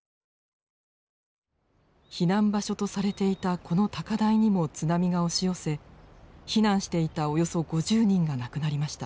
避難場所とされていたこの高台にも津波が押し寄せ避難していたおよそ５０人が亡くなりました。